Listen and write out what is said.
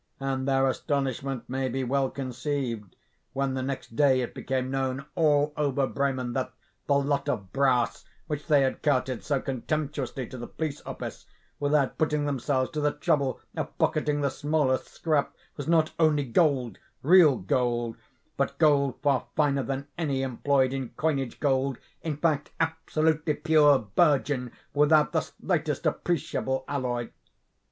And their astonishment may be well conceived, when the next day it became known, all over Bremen, that the "lot of brass" which they had carted so contemptuously to the police office, without putting themselves to the trouble of pocketing the smallest scrap, was not only gold—real gold—but gold far finer than any employed in coinage—gold, in fact, absolutely pure, virgin, without the slightest appreciable alloy.